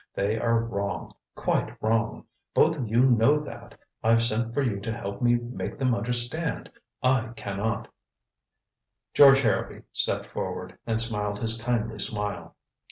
They are wrong quite wrong. Both of you know that. I've sent for you to help me make them understand I can not " George Harrowby stepped forward, and smiled his kindly smile.